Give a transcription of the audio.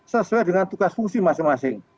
sesuai dengan tugas fungsi masing masing